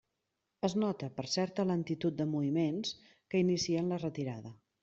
Es nota, per certa lentitud de moviments, que inicien la retirada.